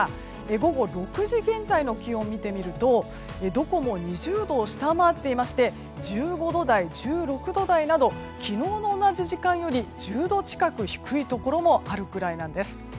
午後６時現在の気温を見てみるとどこも２０度を下回っていまして１５度台、１６度台など昨日の同じ時間より１０度くらい低いところもあるくらいなんです。